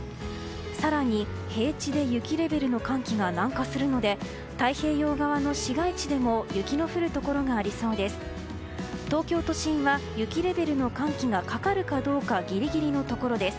更に平地で雪レベルの寒気が南下するので太平洋側の市街地でも雪の降るところがありそうです。